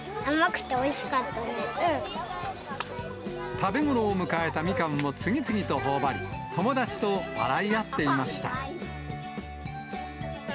食べ頃を迎えたみかんを次々とほおばり、友達と笑い合っていました。